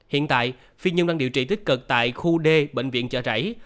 hiện tại phi nhung đang điều trị tích cực tại khu d bệnh viện chợ rảy